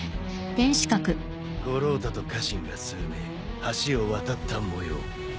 五郎太と家臣が数名橋を渡ったもよう。